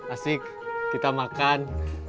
asik kita makan